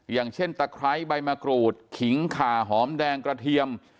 อย่างเช่นตะไคร้ใบมะกรูดขิงขาหอมแดงกระเทียม